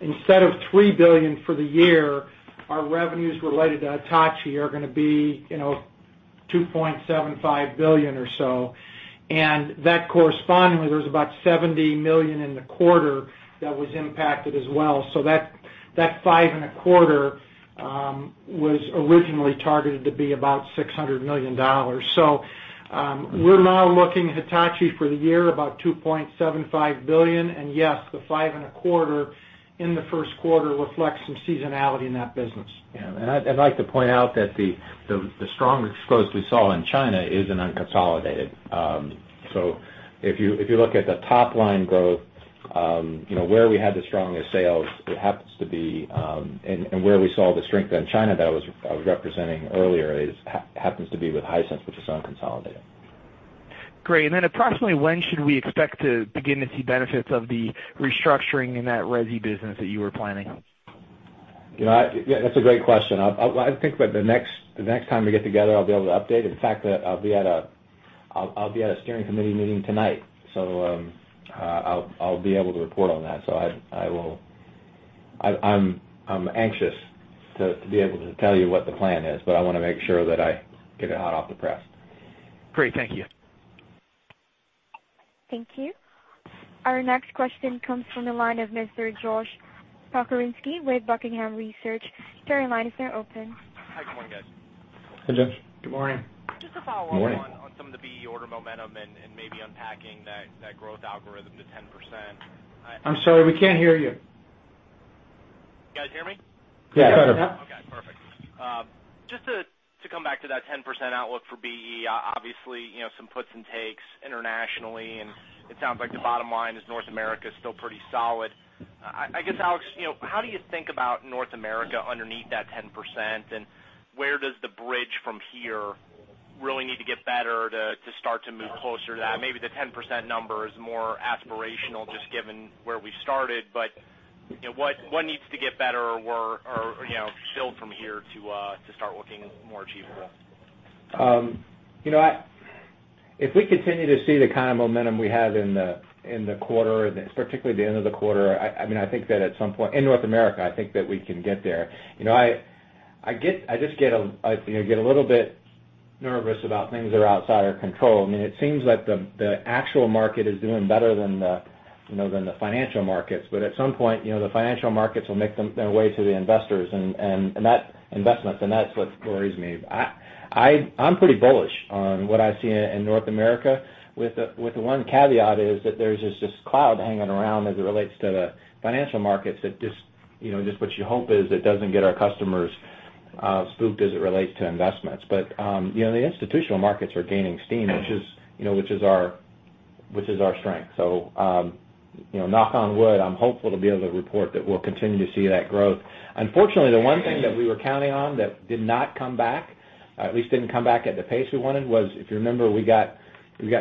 Instead of $3 billion for the year, our revenues related to Hitachi are going to be $2.75 billion or so. That correspondingly, there was about $70 million in the quarter that was impacted as well. That five and a quarter was originally targeted to be about $600 million. We're now looking at Hitachi for the year, about $2.75 billion. Yes, the five and a quarter in the first quarter reflects some seasonality in that business. Yeah. I'd like to point out that the strong exposure we saw in China is an unconsolidated. If you look at the top-line growth, where we had the strongest sales, and where we saw the strength in China that I was representing earlier, happens to be with Hisense, which is unconsolidated. Great. Approximately when should we expect to begin to see benefits of the restructuring in that resi business that you were planning? That's a great question. I think by the next time we get together, I'll be able to update. In fact, I'll be at a steering committee meeting tonight, I'll be able to report on that. I'm anxious to be able to tell you what the plan is, I want to make sure that I get it hot off the press. Great. Thank you. Thank you. Our next question comes from the line of Mr. Josh Pokrzywinski with Buckingham Research. Your line is now open. Hi. Good morning, guys. Hey, Josh. Good morning. Just a follow-on. Good morning. On some of the BE order momentum and maybe unpacking that growth algorithm to 10%? I'm sorry, we can't hear you. You guys hear me? Yeah. Better. Okay, perfect. Just to come back to that 10% outlook for BE, obviously, some puts and takes internationally. It sounds like the bottom line is North America is still pretty solid. I guess, Alex, how do you think about North America underneath that 10%? Where does the bridge from here really need to get better to start to move closer to that? Maybe the 10% number is more aspirational, just given where we started. What needs to get better or where are you still from here to start looking more achievable? If we continue to see the kind of momentum we have in the quarter, particularly the end of the quarter, in North America, I think that we can get there. I get a little bit nervous about things that are outside our control. It seems like the actual market is doing better than the financial markets. At some point, the financial markets will make their way to the investors and investments, and that's what worries me. I'm pretty bullish on what I see in North America. With the one caveat is that there's just this cloud hanging around as it relates to the financial markets that just what you hope is it doesn't get our customers spooked as it relates to investments. The institutional markets are gaining steam, which is our strength. Knock on wood, I'm hopeful to be able to report that we'll continue to see that growth. Unfortunately, the one thing that we were counting on that did not come back, at least didn't come back at the pace we wanted was, if you remember, we got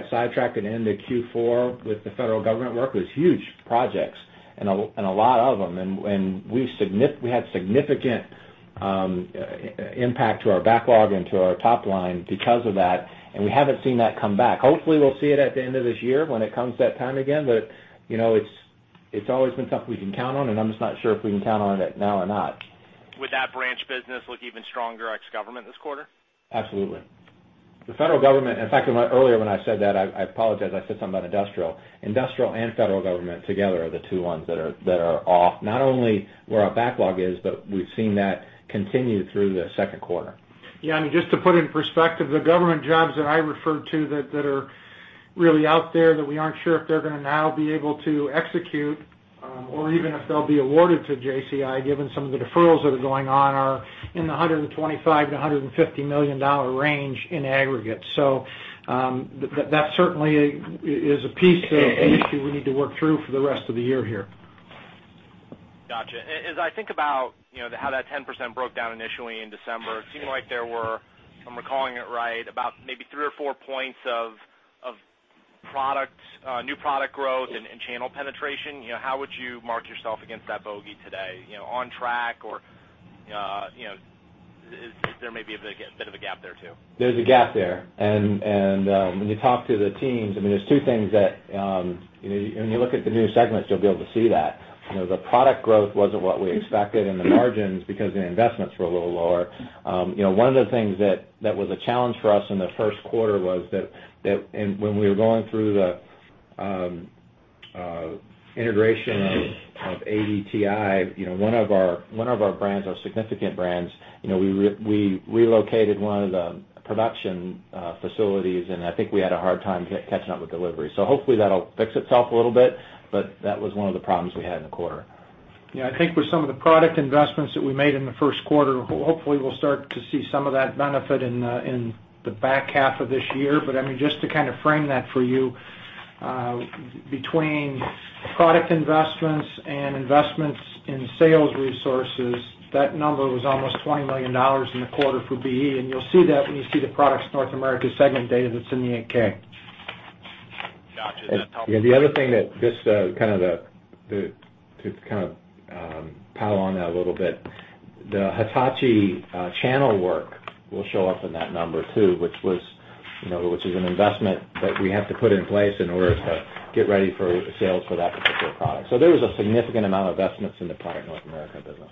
sidetracked at the end of Q4 with the federal government work. It was huge projects and a lot of them. We had significant impact to our backlog and to our top line because of that, and we haven't seen that come back. Hopefully, we'll see it at the end of this year when it comes that time again. It's always been something we can count on, and I'm just not sure if we can count on it now or not. Would that branch business look even stronger ex government this quarter? Absolutely. The federal government, in fact, earlier when I said that, I apologize, I said something about industrial. Industrial and federal government together are the two ones that are off, not only where our backlog is, but we've seen that continue through the second quarter. Yeah, just to put it in perspective, the government jobs that I referred to that are really out there that we aren't sure if they're going to now be able to execute or even if they'll be awarded to JCI, given some of the deferrals that are going on are in the $125 million-$150 million range in aggregate. That certainly is a piece of the issue we need to work through for the rest of the year here. Got you. As I think about how that 10% broke down initially in December, it seemed like there were, if I'm recalling it right, about maybe three or four points of new product growth and channel penetration. How would you mark yourself against that bogey today, on track or there may be a bit of a gap there, too? There's a gap there. When you talk to the teams, there's two things that when you look at the new segments, you'll be able to see that. The product growth wasn't what we expected and the margins because the investments were a little lower. One of the things that was a challenge for us in the first quarter was that when we were going through the integration of ADT, one of our significant brands, we relocated one of the production facilities, and I think we had a hard time catching up with delivery. Hopefully, that'll fix itself a little bit, but that was one of the problems we had in the quarter. I think with some of the product investments that we made in the first quarter, hopefully, we'll start to see some of that benefit in the back half of this year. Just to kind of frame that for you, between product investments and investments in sales resources, that number was almost $20 million in the quarter for BE. You'll see that when you see the Products North America segment data that's in the 8-K. Gotcha. That helps. The other thing, to kind of pile on that a little bit, the Hitachi channel work will show up in that number too, which is an investment that we have to put in place in order to get ready for sales for that particular product. There is a significant amount of investments in the Products North America business.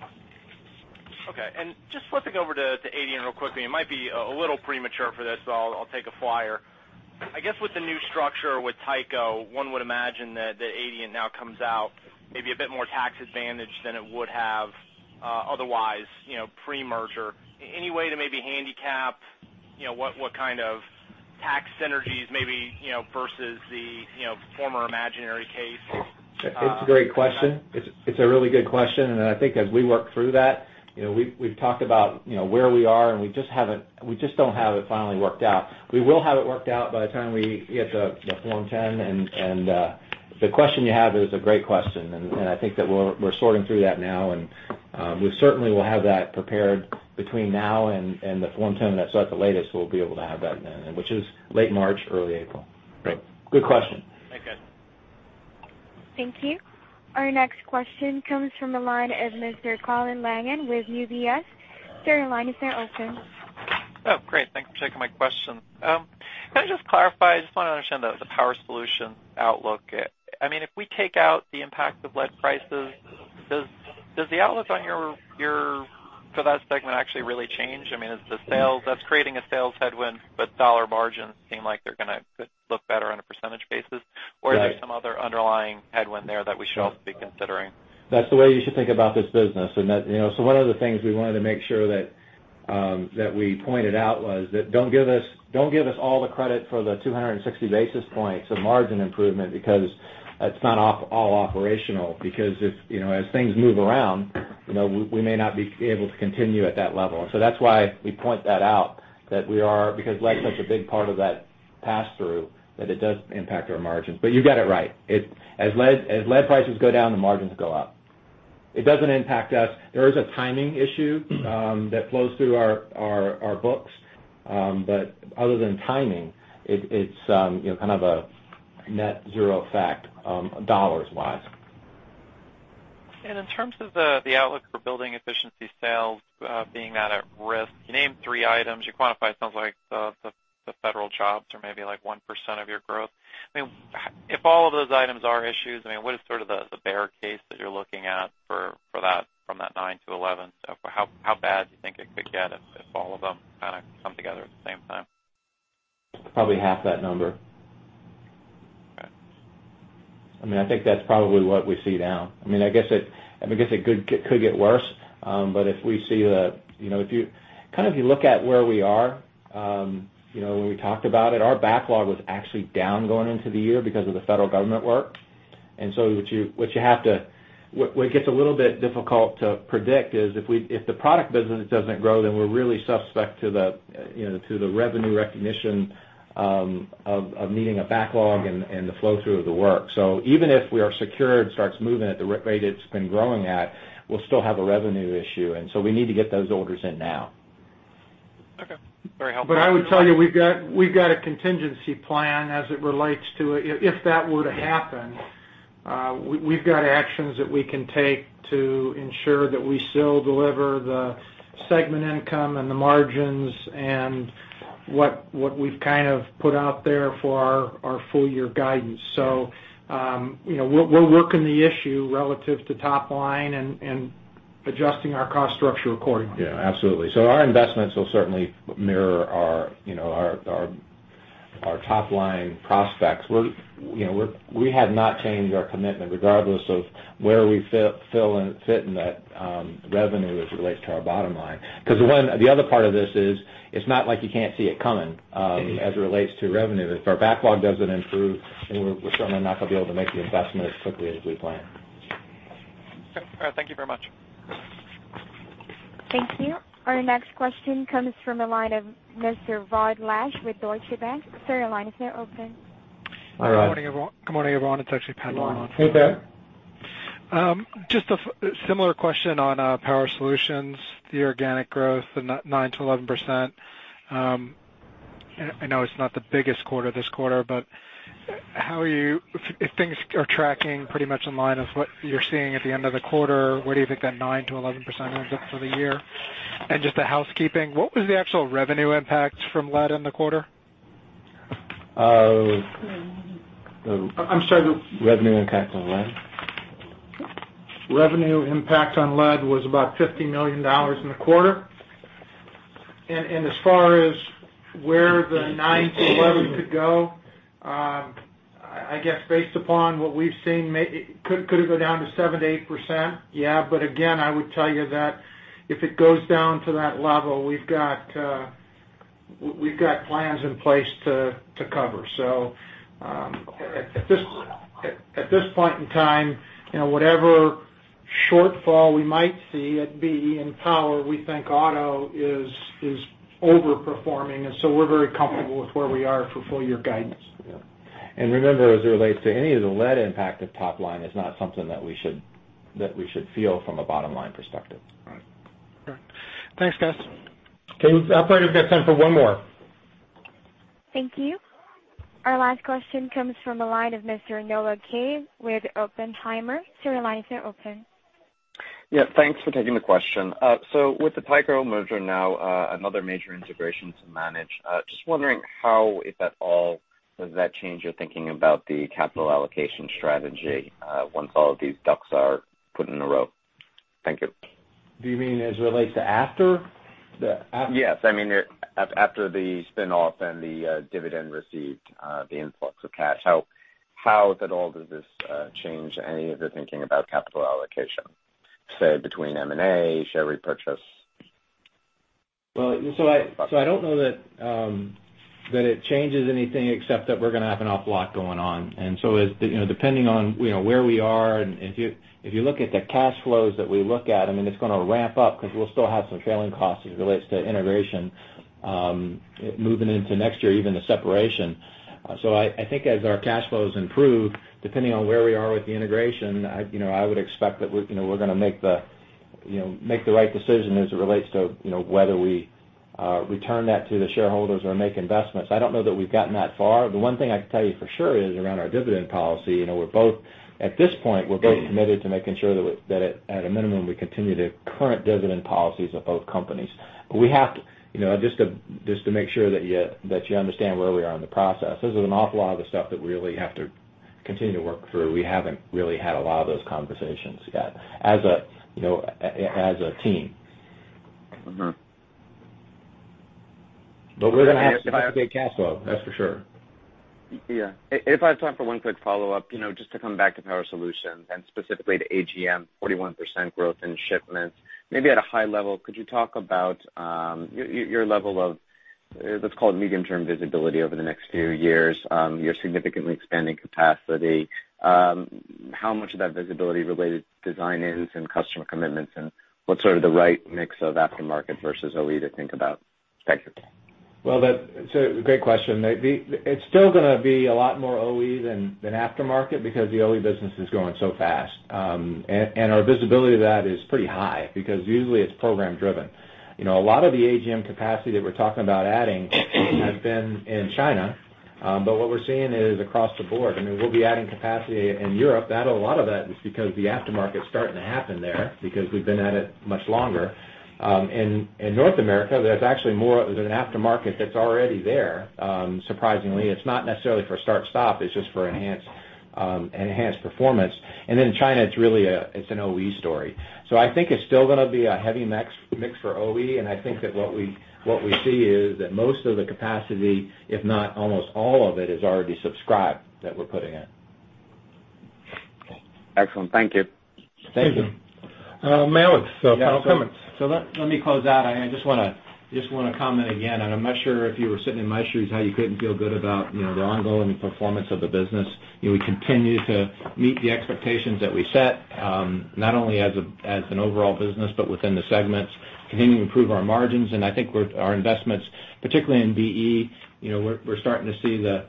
Okay. Just flipping over to Adient real quickly, it might be a little premature for this, so I'll take a flyer. I guess with the new structure with Tyco, one would imagine that Adient now comes out maybe a bit more tax-advantaged than it would have otherwise pre-merger. Any way to maybe handicap what kind of tax synergies maybe versus the former imaginary case? It's a great question. It's a really good question, I think as we work through that, we've talked about where we are, we just don't have it finally worked out. We will have it worked out by the time we get the Form 10. The question you have is a great question, I think that we're sorting through that now, we certainly will have that prepared between now and the Form 10. At the latest, we'll be able to have that then, which is late March, early April. Great. Good question. Thank you. Thank you. Our next question comes from the line of Mr. Colin Langan with UBS. Sir, your line is now open. Oh, great. Thanks for taking my question. Can I just clarify? I just want to understand the Power Solutions outlook. If we take out the impact of lead prices, does the outlook for that segment actually really change? That's creating a sales headwind, but dollar margins seem like they're going to look better on a percentage basis. Right. Is there some other underlying headwind there that we should also be considering? That's the way you should think about this business. One of the things we wanted to make sure that we pointed out was that don't give us all the credit for the 260 basis points of margin improvement because it's not all operational. As things move around, we may not be able to continue at that level. That's why we point that out, because lead is such a big part of that pass-through, that it does impact our margins. You got it right. As lead prices go down, the margins go up. It doesn't impact us. There is a timing issue that flows through our books. Other than timing, it's kind of a net zero effect, dollars-wise. In terms of the outlook for Building Efficiency sales being that at risk, you named three items. You quantified, it sounds like, the federal jobs are maybe 1% of your growth. If all of those items are issues, what is sort of the bear case that you're looking at from that 9%-11%? How bad do you think it could get if all of them kind of come together at the same time? Probably half that number. Okay. I think that's probably what we see now. I guess it could get worse. If you look at where we are, when we talked about it, our backlog was actually down going into the year because of the federal government work. What gets a little bit difficult to predict is if the product business doesn't grow, then we're really suspect to the revenue recognition of needing a backlog and the flow through of the work. Even if we are secure, it starts moving at the rate it's been growing at, we'll still have a revenue issue. We need to get those orders in now. Okay. Very helpful. I would tell you, we've got a contingency plan as it relates to if that were to happen. We've got actions that we can take to ensure that we still deliver the segment income and the margins and what we've kind of put out there for our full-year guidance. We're working the issue relative to top line and adjusting our cost structure accordingly. Absolutely. Our investments will certainly mirror our top-line prospects. We have not changed our commitment regardless of where we fit in that revenue as it relates to our bottom line. The other part of this is it's not like you can't see it coming as it relates to revenue. If our backlog doesn't improve, we're certainly not going to be able to make the investment as quickly as we plan. Thank you very much. Thank you. Our next question comes from the line of Mr. Rod Lache with Deutsche Bank. Sir, your line is now open. Hi Rod. Good morning, everyone. It's actually Patrick Nolan. Hey, Pat. A similar question on Power Solutions, the organic growth, the 9%-11%. I know it's not the biggest quarter this quarter, but if things are tracking pretty much in line with what you're seeing at the end of the quarter, where do you think that 9%-11% ends up for the year? Just a housekeeping, what was the actual revenue impact from lead in the quarter? Oh. I'm sorry. Revenue impact on lead? Revenue impact on lead was about $50 million in the quarter. As far as where the 9%-11% could go, I guess based upon what we've seen, could it go down to 7%-8%? Yeah. Again, I would tell you that if it goes down to that level, we've got plans in place to cover. At this point in time, whatever shortfall we might see at BE and Power, we think Auto is overperforming, and so we're very comfortable with where we are for full-year guidance. Yeah. Remember, as it relates to any of the lead impact of top line, it's not something that we should feel from a bottom-line perspective. Right. Okay. Thanks, guys. Okay. Operator, we've got time for one more. Thank you. Our last question comes from the line of Mr. Noah Kaye with Oppenheimer. Sir, your line is now open. Yeah, thanks for taking the question. With the Tyco merger now another major integration to manage, just wondering how, if at all, does that change your thinking about the capital allocation strategy, once all of these ducks are put in a row? Thank you. Do you mean as it relates to after the- Yes. I mean after the spinoff and the dividend received, the influx of cash. How at all does this change any of the thinking about capital allocation, say, between M&A, share repurchase? I don't know that it changes anything except that we're going to have an awful lot going on. Depending on where we are, and if you look at the cash flows that we look at, I mean, it's going to ramp up because we'll still have some trailing costs as it relates to integration, moving into next year, even the separation. I think as our cash flows improve, depending on where we are with the integration, I would expect that we're going to make the right decision as it relates to whether we return that to the shareholders or make investments. I don't know that we've gotten that far. The one thing I can tell you for sure is around our dividend policy. At this point, we're both committed to making sure that at a minimum, we continue the current dividend policies of both companies. Just to make sure that you understand where we are in the process. This is an awful lot of the stuff that we really have to continue to work through. We haven't really had a lot of those conversations yet as a team. We're going to have significant cash flow, that's for sure. If I have time for one quick follow-up, just to come back to Power Solutions and specifically to AGM, 41% growth in shipments. Maybe at a high level, could you talk about your level of, let's call it medium-term visibility over the next few years, you're significantly expanding capacity. How much of that visibility related to design-ins and customer commitments, and what's sort of the right mix of aftermarket versus OE to think about? Thank you. Well, that's a great question. It's still going to be a lot more OE than aftermarket because the OE business is growing so fast. Our visibility to that is pretty high because usually it's program driven. A lot of the AGM capacity that we're talking about adding has been in China, but what we're seeing is across the board. I mean, we'll be adding capacity in Europe. A lot of that is because the aftermarket's starting to happen there because we've been at it much longer. In North America, there's an aftermarket that's already there. Surprisingly, it's not necessarily for start-stop, it's just for enhanced performance. In China, it's an OE story. I think it's still going to be a heavy mix for OE, and I think that what we see is that most of the capacity, if not almost all of it, is already subscribed, that we're putting in. Okay. Excellent. Thank you. Thank you. Alex, final comments. Let me close out. I just want to comment again, and I'm not sure if you were sitting in my shoes, how you couldn't feel good about the ongoing performance of the business. We continue to meet the expectations that we set, not only as an overall business, but within the segments, continuing to improve our margins, and I think our investments, particularly in BE, we're starting to see the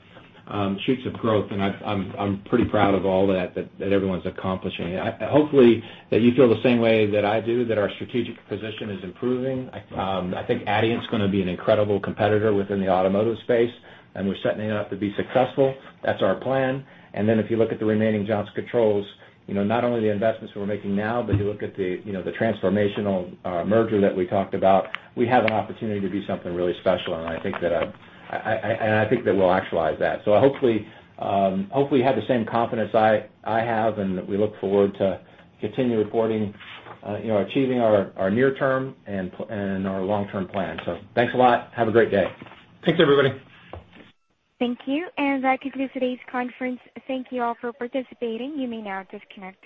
shoots of growth, and I'm pretty proud of all that everyone's accomplishing. Hopefully, that you feel the same way that I do, that our strategic position is improving. I think Adient's going to be an incredible competitor within the automotive space, and we're setting it up to be successful. That's our plan. If you look at the remaining Johnson Controls, not only the investments we're making now, but you look at the transformational merger that we talked about, we have an opportunity to do something really special, and I think that we'll actualize that. Hopefully you have the same confidence I have, and we look forward to continuing reporting, achieving our near term and our long-term plan. Thanks a lot. Have a great day. Thanks, everybody. Thank you. That concludes today's conference. Thank you all for participating. You may now disconnect.